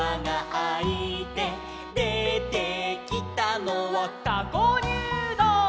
「でてきたのは」「たこにゅうどう」